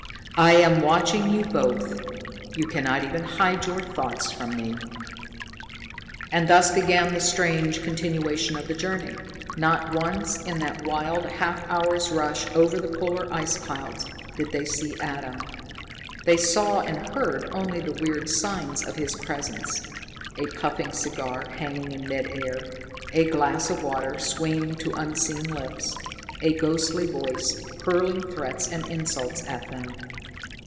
"I am watching you both. You cannot even hide your thoughts from me." And thus began the strange continuation of the journey. Not once, in that wild half hour's rush over the polar ice clouds, did they see Adam. They saw and heard only the weird signs of his presence: a puffing cigar hanging in midair, a glass of water swinging to unseen lips, a ghostly voice hurling threats and insults at them.